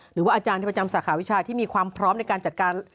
หรือว่าอาจารย์ที่ประจำสาขาวิชาที่มีความพร้อมในการจัดการ